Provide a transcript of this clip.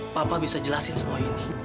papa bisa jelasin semua ini